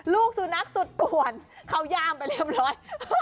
ลูกสุนัขสุดป่วนเขาย่ามไปเรียบร้อย